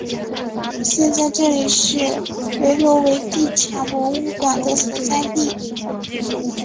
现在这里是维罗维蒂察博物馆的所在地。